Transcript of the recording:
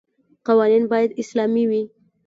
قوانین باید اسلامي وي.